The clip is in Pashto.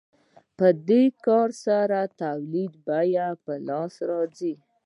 په دې کار سره د تولید بیه په لاس راځي